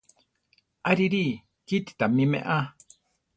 Arirí! kíti tamí meʼá!